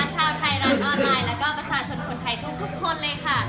ชาวไทยรัฐออนไลน์แล้วก็ประชาชนคนไทยทุกคนเลยค่ะ